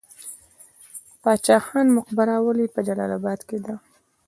باچا خان مقبره ولې په جلال اباد کې ده؟